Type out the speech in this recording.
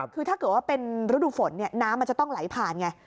คือถ้าเกิดว่าเป็นฤดูฝนน้ำมันจะต้องไหลผ่านไง